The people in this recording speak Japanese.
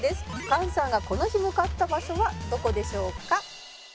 「菅さんがこの日向かった場所はどこでしょうか？」